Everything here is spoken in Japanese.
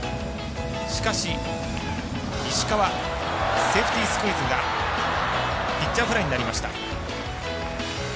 しかし、石川セーフティースクイズがピッチャーフライになりました。